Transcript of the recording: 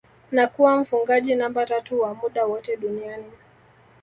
na kuwa mfungaji namba tatu wa muda wote duniani